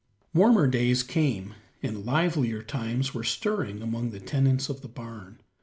Warmer days came, and livelier times were stirring among the tenants of the barn.